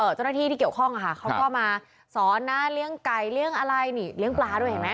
เจ้าหน้าที่ที่เกี่ยวข้องเขาก็มาสอนนะเลี้ยงไก่เลี้ยงอะไรนี่เลี้ยงปลาด้วยเห็นไหม